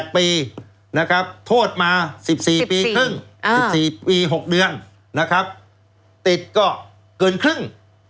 ๘ปีโทษมา๑๔ปี๖เดือนติดก็เกินครึ่ง